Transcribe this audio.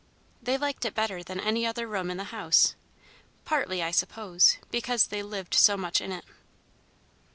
They liked it better than any other room in the house, partly, I suppose, because they lived so much in it.